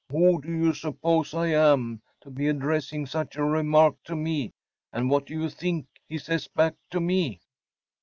Who do you suppose I am, to be addressing such a remark to me? And what do you think he says back to me?